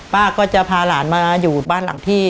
ป้าก็จะพาหลานมาอยู่บ้านหลังที่